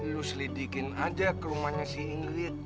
lu selidikin aja ke rumahnya si ingrid